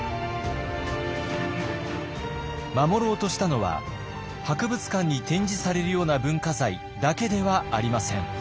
守ろうとしたのは博物館に展示されるような文化財だけではありません。